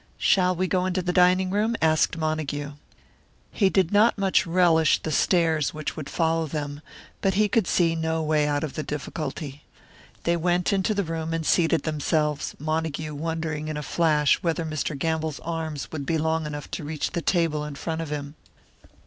"Shall we go into the dining room?" asked Montague. He did not much relish the stares which would follow them, but he could see no way out of the difficulty. They went into the room and seated themselves, Montague wondering in a flash whether Mr. Gamble's arms would be long enough to reach to the table in front of him.